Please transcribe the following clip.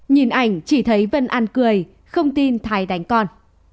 nhìn ảnh chỉ thấy vân ăn cười không tin thái đánh con